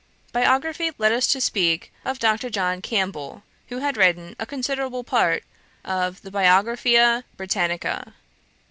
"' Biography led us to speak of Dr. John Campbell, who had written a considerable part of the Biographia Britannica.